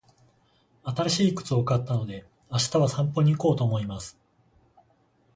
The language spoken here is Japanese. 新しい靴を買ったので、明日は散歩に行こうと思います。